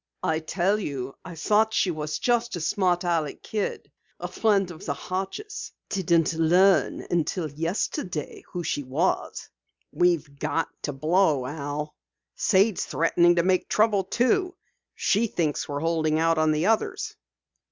"I tell you I thought she was just a smart aleck kid, a friend of the Hodges'. Didn't learn until yesterday who she was." "We've got to blow, Al. Sade's threatening to make trouble, too. She thinks we're holding out on the others."